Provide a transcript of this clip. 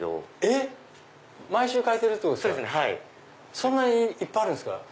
そんなにいっぱいあるんですか？